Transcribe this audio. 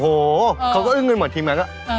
โอ้โหเขาก็อึ้งกันหมดทีมนั้น